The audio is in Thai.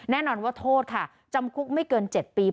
แน่นอนว่าโทษค่ะจำคุกไม่เกิน๗ปี